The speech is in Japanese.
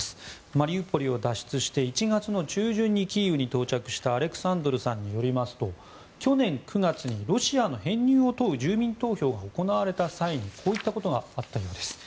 マリウポリを脱出して１月の中旬にキーウに到着したアレクサンドルさんによりますと去年９月にロシアの編入を問う住民投票が行われた際にこういったことがあったんです。